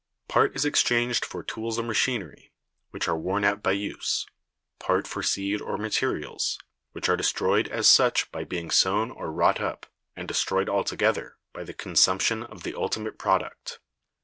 Part is exchanged for tools or machinery, which are worn out by use; part for seed or materials, which are destroyed as such by being sown or wrought up, and destroyed altogether by the consumption of the ultimate product.